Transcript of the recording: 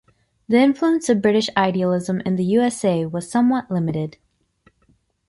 The influence of British idealism in the USA was somewhat limited.